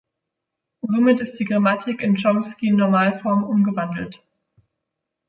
Somit ist die Grammatik in Chomsky-Normalform umgewandelt.